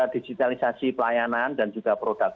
digitalisasi pelayanan dan juga produk